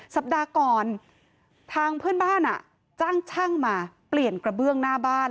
สัปดาห์ก่อนทางเพื่อนบ้านจ้างช่างมาเปลี่ยนกระเบื้องหน้าบ้าน